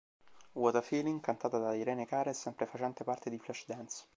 What a Feeling" cantata da Irene Cara, e sempre facente parte di "Flashdance".